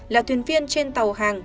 là thuyền viên trên tàu hàng